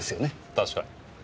確かに。